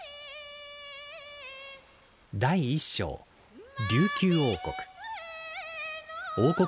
第１章琉球王国。